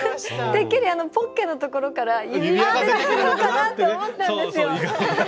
てっきりポッケのところから指輪が出てくるのかなって思ったんですよ。